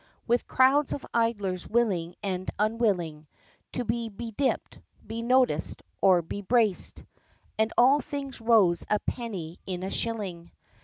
With crowds of idlers willing and unwilling To be bedipped be noticed or be braced, And all things rose a penny in a shilling.